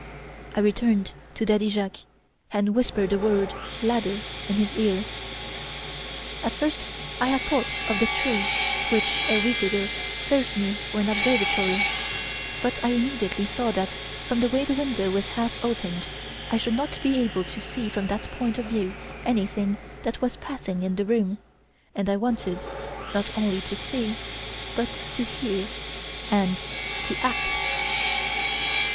I returned to Daddy Jacques and whispered the word 'ladder' in his ear. At first I had thought of the tree which, a week ago, served me for an observatory; but I immediately saw that, from the way the window was half opened, I should not be able to see from that point of view anything that was passing in the room; and I wanted, not only to see, but to hear, and to act.